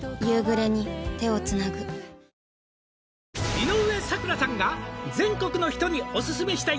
「井上咲楽さんが全国の人にオススメしたい」